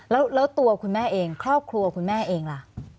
แล้วตัวคุณแม่เองครอบครัวคุณแม่เองล่ะ